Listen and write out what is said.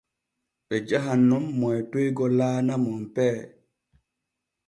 Ɓe jahan nun moytoygo laana Monpee.